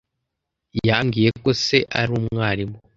Yambwiye ko se ari umwarimu.